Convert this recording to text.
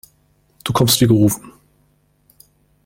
Du kommst wie gerufen.